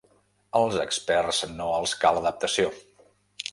Als experts no els cal adaptació.